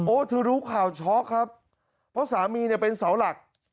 เธอรู้ข่าวช็อกครับเพราะสามีเนี่ยเป็นเสาหลัก